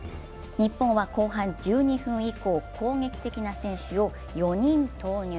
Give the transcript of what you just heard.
日本は後半１２分以降、攻撃的な選手を４人投入。